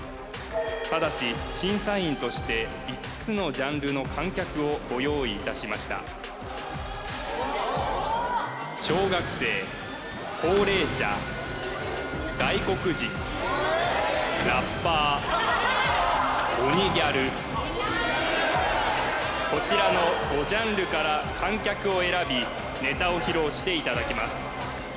ただし審査員として５つのジャンルの観客をご用意いたしましたこちらの５ジャンルから観客を選びネタを披露していただきます